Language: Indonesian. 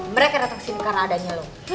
mereka datang kesini karena adanya lo